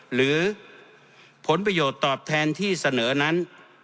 หรือผลประโยชน์ตอบแทนที่เสนอนั้น